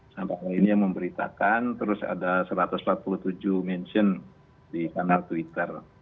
sampai hari ini yang memberitakan terus ada satu ratus empat puluh tujuh mention di kanal twitter